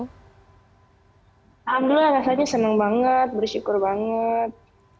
alhamdulillah rasanya senang banget bersyukur banget